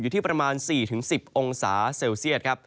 อยู่ที่ประมาณ๔๑๐องศาเซลเซียตครับ